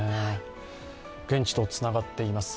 現地とつながっています。